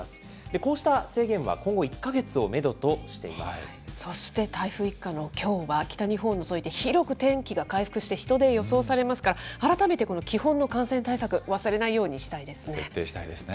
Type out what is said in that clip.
こうした制限は、そして、台風一過のきょうは、北日本を除いて広く天気が回復して、人出予想されますから、改めてこの基本の感染対策、忘れないようにしたいですね。